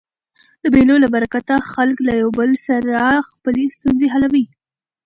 د مېلو له برکته خلک له یو بل سره خپلي ستونزي حلوي.